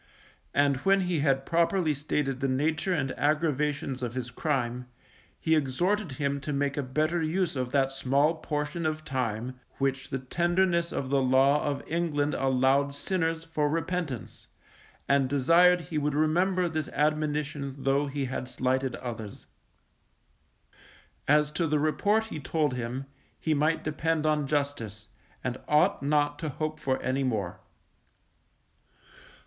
And when he had properly stated the nature and aggravations of his crime, he exhorted him to make a better use of that small portion of time, which the tenderness of the law of England allowed sinners for repentance, and desired he would remember this admonition though he had slighted others. As to the report he told him, he might depend on Justice, and ought not to hope for any more.